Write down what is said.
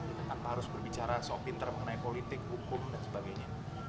kita tanpa harus berbicara soal pinter mengenai politik hukum dan sebagainya